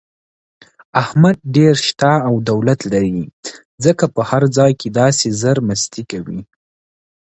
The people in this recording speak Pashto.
احمد ډېر شته او دولت لري، ځکه په هر ځای کې داسې زرمستي کوي.